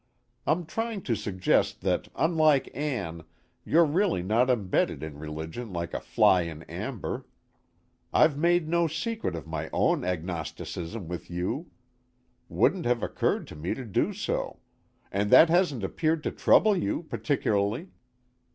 I'm trying to suggest that unlike Ann, you're really not embedded in religion like a fly in amber. I've made no secret of my own agnosticism with you wouldn't have occurred to me to do so and that hasn't appeared to trouble you particularly.